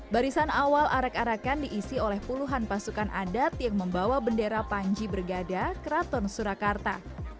barisan awal arak arakan diisi oleh puluhan pasukan adat yang membawa bendera panji bergada keraton surakarta